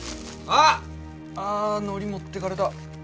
あぁのり持ってかれた。